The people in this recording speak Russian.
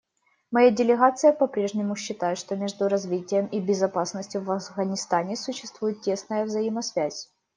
Моя делегация попрежнему считает, что между развитием и безопасностью в Афганистане существует тесная взаимосвязь.